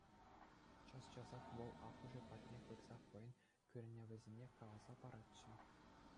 Час-часах вӑл аппӑшӗ патне пырса хӑйӗн кӳренӗвӗсене каласа паратчӗ.